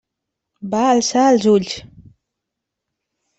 Va alçar els ulls.